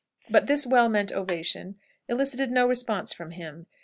But this well meant ovation elicited no response from him.